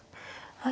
はい。